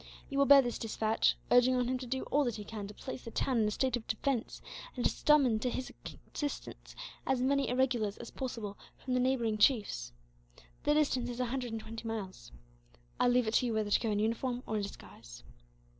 You will bear this despatch, urging on him to do all that he can to place the town in a state of defence, and to summon to his assistance as many irregulars as possible from the neighbouring chiefs. The distance is a hundred and twenty miles. I leave it to you whether to go in uniform, or in disguise."